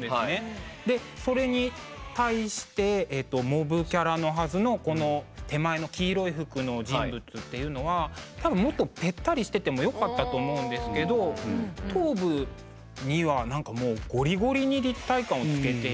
でそれに対してモブキャラのはずのこの手前の黄色い服の人物っていうのは多分もっとペッタリしててもよかったと思うんですけど頭部にはなんかもうゴリゴリに立体感をつけている。